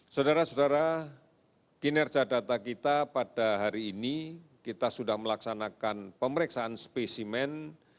saudara saudara kinerja data kita pada hari ini kita sudah melaksanakan pemeriksaan spesimen